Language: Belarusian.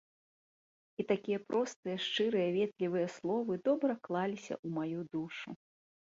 І такія простыя шчырыя ветлівыя словы добра клаліся ў маю душу.